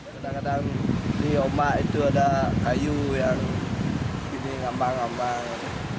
kadang kadang di ombak itu ada kayu yang ini ngambang ngambang